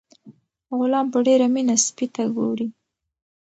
غلام په ډیره مینه سپي ته ګوري.